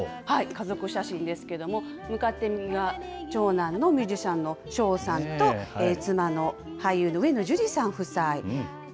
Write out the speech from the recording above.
家族写真ですけれども、向かって右が長男のミュージシャンのしょうさんと、妻の、俳優の上野樹里さん夫妻。